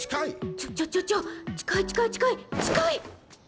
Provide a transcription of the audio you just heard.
ちょちょちょちょ近い近い近い。